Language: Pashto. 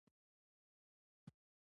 د جهاني صاحب ناڅاپه تیلفون ګډوډ کړل.